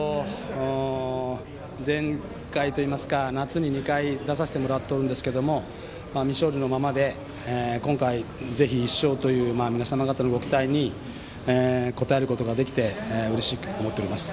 前回といいますか夏に２回出させてもらってるんですけれど未勝利のままで今回ぜひ１勝という皆様方のご期待に応えることができてうれしく思っております。